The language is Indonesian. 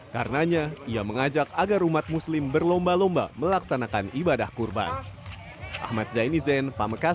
karenanya ia mengajak agar umat muslim berlomba lomba melaksanakan ibadah kurban